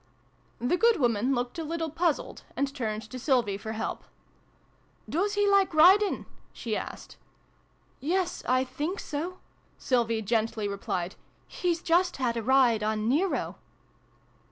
The good woman looked a little puzzled, and turned to Sylvie for help. " Does he like riding ?" she asked. " Yes, I think so," Sylvie gently replied. " He's just had a ride on JVero."